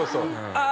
「ああ！